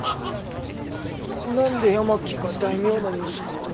何で八巻が大名の息子と。